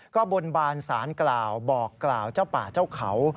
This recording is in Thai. ก็บนบานสารกล่าวบอกกล่าวเจ้าป่าเจ้าเขา